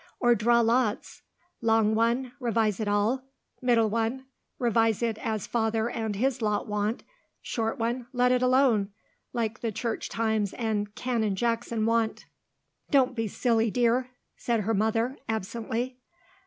Or draw lots. Long one, revise it all, middle one, revise it as father and his lot want, short one, let it alone, like the Church Times and Canon Jackson want." "Don't be silly, dear," said her mother, absently.